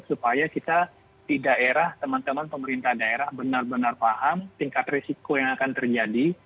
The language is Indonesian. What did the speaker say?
supaya kita di daerah teman teman pemerintah daerah benar benar paham tingkat risiko yang akan terjadi